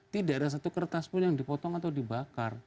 tidak ada satu kertas pun yang dipotong atau dibakar